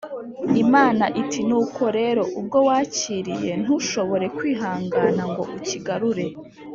” imana iti:” nuko rero ! ubwo wakiriye, ntushobore kwihangana ngo ukigarure,